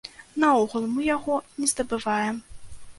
Наогул, мы яго не здабываем.